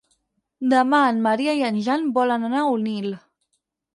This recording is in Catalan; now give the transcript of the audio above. Demà en Maria i en Jan volen anar a Onil.